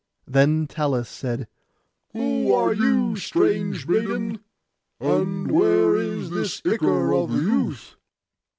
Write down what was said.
Then Talus said, 'Who are you, strange maiden, and where is this ichor of youth?